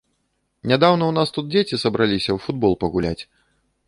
Нядаўна ў нас тут дзеці сабраліся у футбол пагуляць.